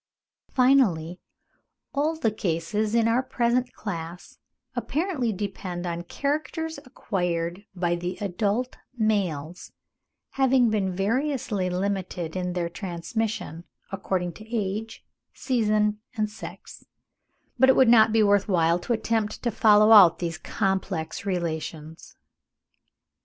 Finally, all the cases in our present class apparently depend on characters acquired by the adult males, having been variously limited in their transmission according to age, season, and sex; but it would not be worth while to attempt to follow out these complex relations.